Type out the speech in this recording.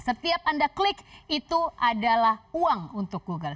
setiap anda klik itu adalah uang untuk google